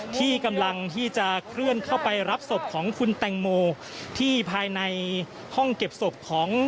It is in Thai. ที่กำลังที่จะเคลื่อนเข้าไปรับศพของคุณแตงโมที่ภายในห้องเก็บศพของ